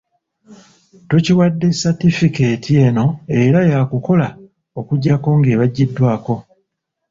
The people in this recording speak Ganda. Tukiwadde satifikeeti eno era yaakukola okuggyako ng'ebaggiddwako.